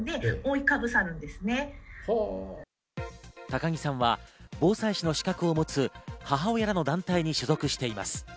高木さんは防災士の資格を持つ母親らの団体に所属しています。